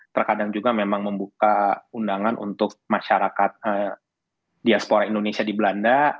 terkadang juga memang membuka undangan untuk masyarakat diaspora indonesia di belanda